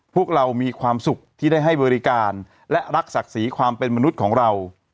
พวกเรามีความสุขที่ได้ให้บริการและรักศักดิ์ศรีความเป็นมนุษย์ของเรา